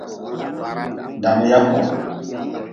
Dabyaku.